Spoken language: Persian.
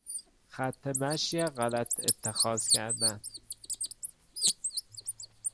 خط مشی غلط اتخاذ کردن